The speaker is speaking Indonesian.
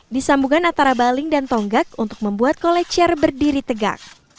disambungan antara baling dan tonggak untuk membuat kolecer berdiri tegak